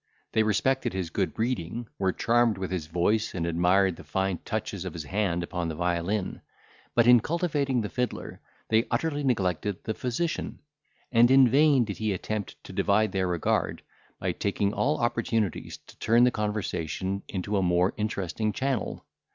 They respected his good breeding, were charmed with his voice, and admired the fine touches of his hand upon the violin; but in cultivating the fiddler, they utterly neglected the physician; and in vain did he attempt to divide their regard, by taking all opportunities to turn the conversation into a more interesting channel.